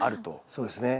そうですね。